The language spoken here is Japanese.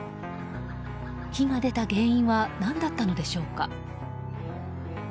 火が出た原因は何だったのでしょうか。